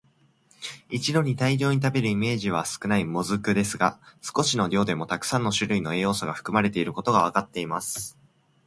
一度に大量に食べるイメージは少ない「もずく」ですが、少しの量でもたくさんの種類の栄養素が含まれていることがわかっています。